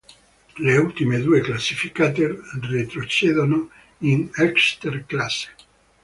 Le ultime due classificate retrocedono in Eerste Klasse.